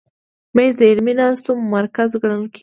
مېز د علمي ناستو مرکز ګڼل کېږي.